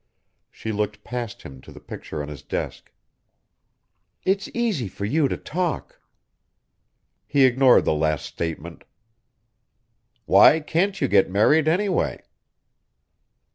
She looked past him to the picture on his desk. "It's easy for you to talk." He ignored the last statement. "Why can't you get married, anyway?"